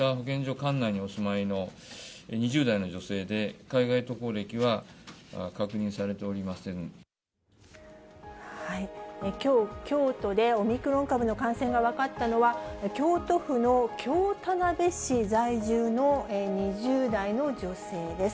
管内にお住まいの２０代の女性で、海外渡航きょう、京都でオミクロン株の感染が分かったのは、京都府の京田辺市在住の２０代の女性です。